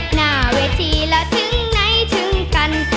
หน้าเวทีแล้วถึงไหนถึงกัน